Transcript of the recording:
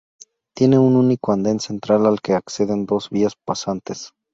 Tiene un único anden central al que acceden dos vías pasantes.